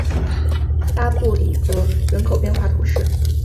拉布里格人口变化图示